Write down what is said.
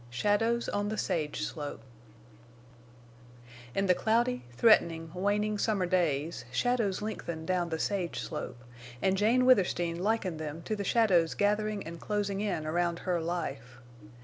SHADOWS ON THE SAGE SLOPE In the cloudy, threatening, waning summer days shadows lengthened down the sage slope, and Jane Withersteen likened them to the shadows gathering and closing in around her life.